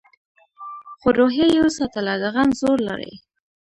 خو روحیه یې وساتله؛ د غم زور لري.